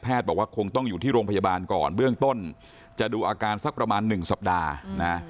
บอกว่าคงต้องอยู่ที่โรงพยาบาลก่อนเบื้องต้นจะดูอาการสักประมาณหนึ่งสัปดาห์นะ